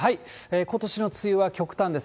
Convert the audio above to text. ことしの梅雨は極端です。